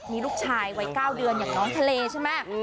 มีลูกชายวัย๙เดือนอย่างน้องทะเลใช่ไหม